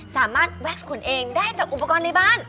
สามารถแวะขนเองได้จากอุปกรณ์ในบ้าน